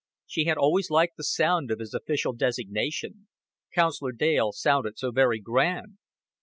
She had always liked the sound of his official designation. Councilor Dale sounded so very grand.